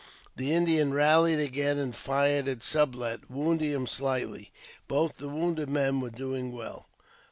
The Indian rallied again JAMES P. BECKWOUBTH. 79 and fired at Sublet, wounding him slightly. Both the wounded men were doing well.